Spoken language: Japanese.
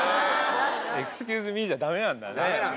「エクスキューズミー」じゃ駄目なんだね。